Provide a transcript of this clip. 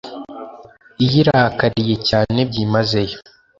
iyirakariye cyane byimazeyo